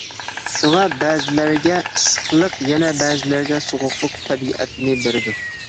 شۇڭا، بەزىلەرگە ئىسسىقلىق، يەنە بەزىلەرگە سوغۇقلۇق تەبىئەتنى بېرىدۇ.